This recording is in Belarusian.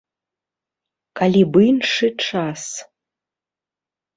Калі б іншы час.